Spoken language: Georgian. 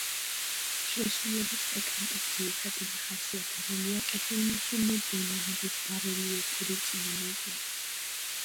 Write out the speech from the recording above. შესრულების ტექნიკის ძირითადი მახასიათებელია კეთილმოსურნე დემონების ბარელიეფური წინა ნაწილები.